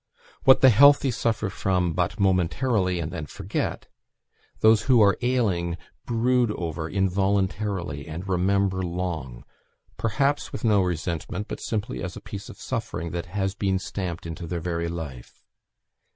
What the healthy suffer from but momentarily and then forget, those who are ailing brood over involuntarily and remember long, perhaps with no resentment, but simply as a piece of suffering that has been stamped into their very life.